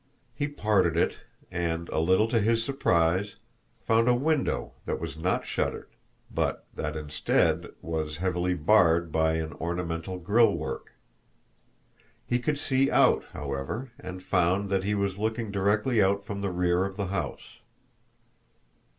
He parted it, and, a little to his surprise, found a window that was not shuttered, but that, instead, was heavily barred by an ornamental grille work. He could see out, however, and found that he was looking directly out from the rear of the house.